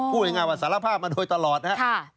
พูดง่ายว่าสารภาพมาโดยตลอดนะครับ